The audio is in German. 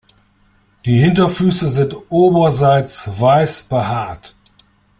Die Hinterfüße sind oberseits weiß behaart.